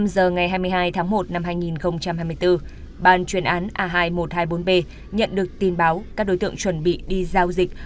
một mươi giờ ngày hai mươi hai tháng một năm hai nghìn hai mươi bốn bàn chuyên án a hai nghìn một trăm hai mươi bốn b nhận được tin báo các đối tượng chuẩn bị đi giao dịch